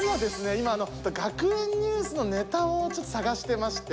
今あの学園ニュースのネタをちょっと探してまして。